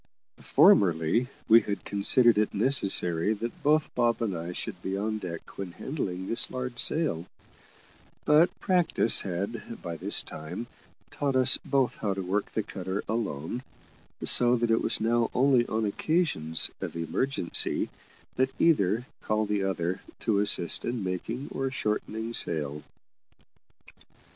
Formerly we had considered it necessary that both Bob and I should be on deck when handling this large sail; but practice had by this time taught us both how to work the cutter alone, so that it was now only on occasions of emergency that either called the other to assist in making or shortening sail.